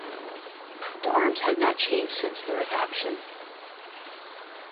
The arms have not changed since their adoption.